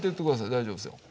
大丈夫ですよ。